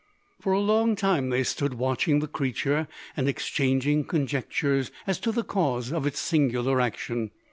For a long time they stood watching the creature, and exchanging conjectures as to the cause of its singular action.